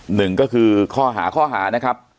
หนึ่งก็คือข้อหาข้อหานะครับ